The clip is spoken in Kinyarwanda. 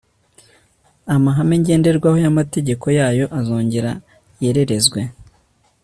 amahame ngenderwaho yamategeko yayo azongera yererezwe